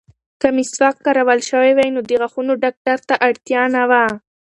که مسواک کارول شوی وای، نو د غاښونو ډاکټر ته اړتیا نه وه.